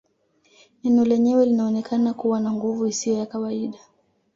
Neno lenyewe linaonekana kuwa na nguvu isiyo ya kawaida